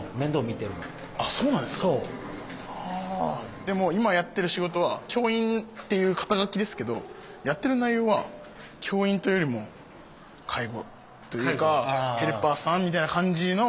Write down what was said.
でも今やってる仕事は教員っていう肩書ですけどやってる内容は教員というよりも介護というかヘルパーさんみたいな感じの。